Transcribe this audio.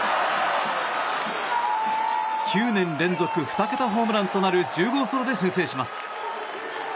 ９年連続２桁ホームランとなる１０号ソロで先制します。